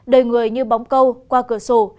đời người như bóng câu qua cửa sổ